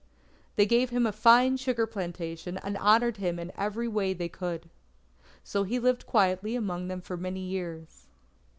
They gave him a fine sugar plantation, and honoured him in every way they could. So he lived quietly among them for many years.